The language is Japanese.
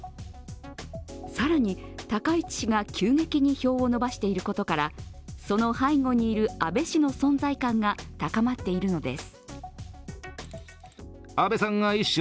更に高市氏が急激に票を伸ばしていることからその背後にいる安倍氏の存在感が高まっているのです。